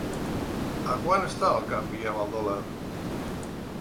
A quant està el canvi amb el dòlar?